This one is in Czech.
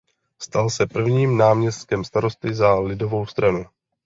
Stal se prvním náměstkem starosty za Lidovou stranu.